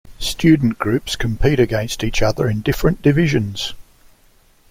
Student groups compete against each other in different divisions.